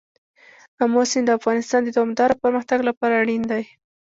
آمو سیند د افغانستان د دوامداره پرمختګ لپاره اړین دي.